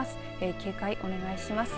警戒お願いします。